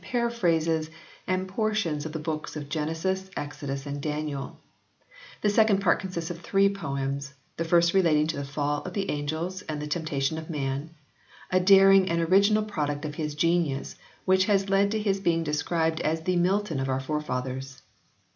paraphrases of portions of the books of Genesis, Exodus and Daniel ; the second part consists of three poems, the first relating to the Fall of the Angels and the Temptation of Man a daring and original product of his genius which has led to his being described as "the Milton of our forefathers."